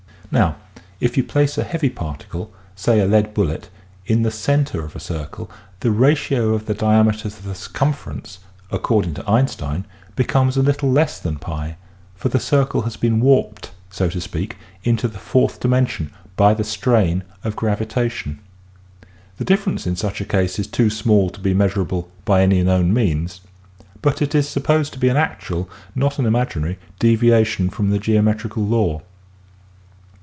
Now if you place a heavy particle, say a lead bullet, in the center of a circle the ratio of the diameter to the cir cumference, according to Einstein, becomes a little less than Pi, for the circle has been warped, so to speak, into the fourth dimension by the strain of gravitation. The difference in such a case is too small to be measurable by any known means, but it is sup posed to be an actual, not an imaginary, deviation from the geometrical law.